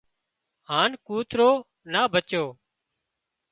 هانَ ڪوترو نا ڀچو